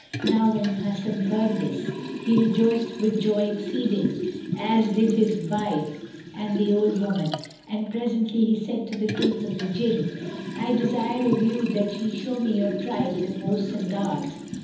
Now when Hasan heard this, he rejoiced with joy exceeding, as did his wife and the old woman, and presently he said to the Kings of the Jinn, "I desire of you that ye show me your tribes and hosts and guards."